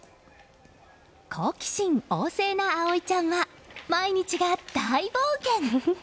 好奇心旺盛な碧海ちゃんは毎日が大冒険！